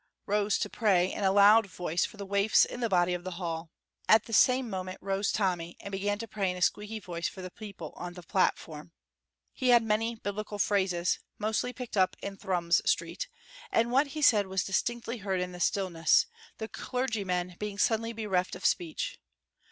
rose to pray in a loud voice for the waifs in the body of the hall. At the same moment rose Tommy, and began to pray in a squeaky voice for the people on the platform. He had many Biblical phrases, mostly picked up in Thrums Street, and what he said was distinctly heard in the stillness, the clergyman being suddenly bereft of speech.